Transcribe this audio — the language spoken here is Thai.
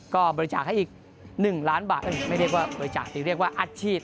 ก็บริจาคให้อีก๑ล้านบาทไม่เรียกว่าบริจาคที่เรียกว่าอัดฉีด